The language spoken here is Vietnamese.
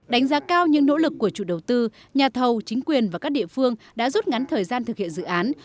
đánh giá cao những nỗ lực của chủ đầu tư nhà thầu chính quyền và các địa phương đã rút ngắn thời gian thực hiện dự án